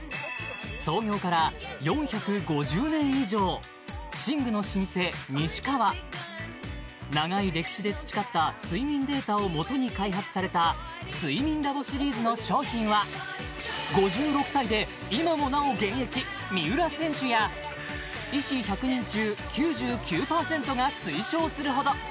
創業から４５０年以上寝具の老舗西川長い歴史で培った睡眠データをもとに開発された睡眠Ｌａｂｏシリーズの商品は５６歳で今もなお現役三浦選手や医師１００人中９９％が推奨するほど！